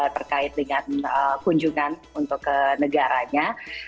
terkait dengan kunjungan untuk ke negaranya